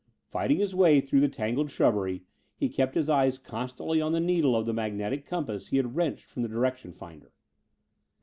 Fighting his way through the tangled shrubbery, he kept his eyes constantly on the needle of the magnetic compass he had wrenched from the direction finder.